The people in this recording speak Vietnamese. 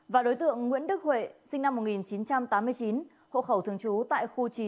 và đối tượng nguyễn đức huệ sinh năm một nghìn chín trăm tám mươi chín hộ khẩu thường trú tại khu chín